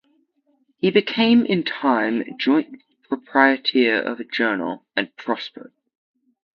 He became in time joint proprietor of a journal, and prospered.